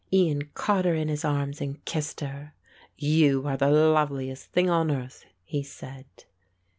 Ian caught her in his arms and kissed her. "You are the loveliest thing on earth," he said.